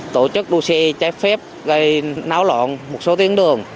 tổ chức đua xe trái phép gây náo lộn một số tiếng đường